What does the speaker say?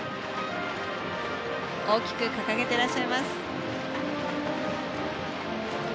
大きく掲げてらっしゃいます。